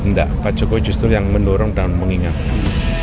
enggak pak jokowi justru yang mendorong dan mengingatkan